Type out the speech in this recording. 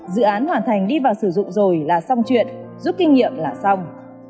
dự án hoàn thành đi vào sử dụng rồi là xong chuyện giúp kinh nghiệm là xong